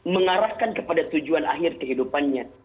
mengarahkan kepada tujuan akhir kehidupannya